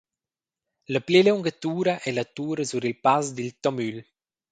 La pli liunga tura ei la tura sur il Pass dil Tomül.